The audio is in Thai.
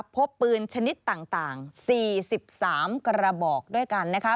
พบปืนชนิดต่าง๔๓กระบอกด้วยกันนะคะ